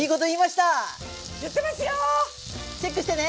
チェックしてね！